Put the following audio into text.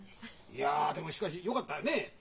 いやでもしかしよかったよねえ。